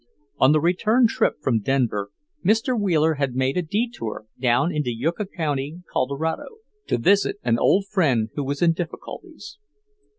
On the return trip from Denver Mr. Wheeler had made a detour down into Yucca county, Colorado, to visit an old friend who was in difficulties.